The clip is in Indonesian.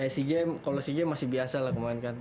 ternyata di game kalo si game masih biasa lah kemaren kan